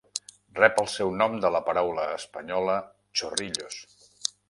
Rep el seu nom de la paraula espanyola "chorrillos".